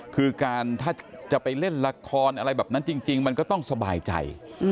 คือการถ้าจะไปเล่นละครอะไรแบบนั้นจริงมันก็ต้องสบายใจ